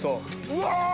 うわ！